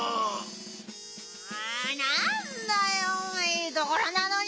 あなんだよいいところなのに！